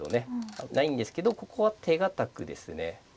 危ないんですけどここは手堅くですね